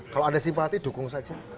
kalau anda simpati dukung saja